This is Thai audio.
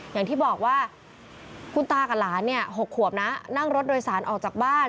อย่างที่บอกว่าคุณตากับหลานเนี่ย๖ขวบนะนั่งรถโดยสารออกจากบ้าน